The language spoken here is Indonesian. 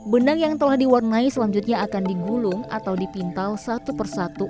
benang yang telah diwarnai selanjutnya akan digulung atau dipintal satu persatu